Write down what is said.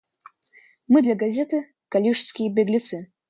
Мы для газеты — калишские беглецы.